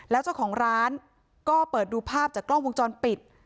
แล้วเจ้าของร้านก็เปิดดูภาพจากกล้องวงจรปิด